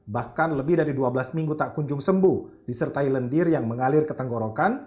bahkan lebih dari dua belas minggu tak kunjung sembuh disertai lendir yang mengalir ke tenggorokan